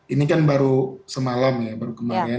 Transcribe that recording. ini kan baru semalam ya baru kemarin